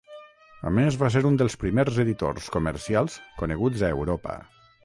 A més, va ser un dels primers editors comercials coneguts a Europa.